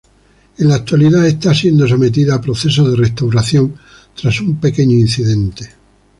En la actualidad está siendo sometida a procesos de restauración, tras un pequeño incidente.